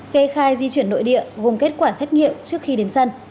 kê khai di chuyển nội địa vùng kết quả xét nghiệm trước khi đến sân